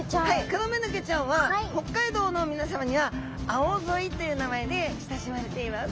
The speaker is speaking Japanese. クロメヌケちゃんは北海道の皆さまにはあおぞいという名前で親しまれています。